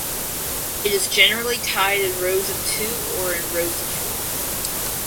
It is generally tied in rows of two or in rows of four.